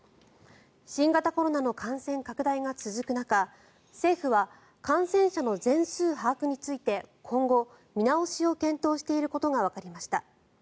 新型コロナの感染拡大が続く中政府は感染者の全数把握について今後、見直しを検討していることがわかりました。